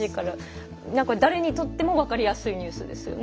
何か誰にとっても分かりやすいニュースですよね。